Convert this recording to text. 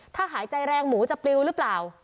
ถ้าหายใจแรงหมูจะปลิวหรือเปล่า